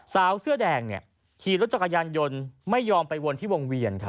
สาวเสื้อแดงขี่รถจักรยานยนต์ไม่ยอมไปวนที่วงเวียน